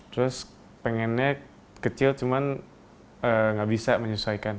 terus pengennya kecil cuman nggak bisa menyesuaikan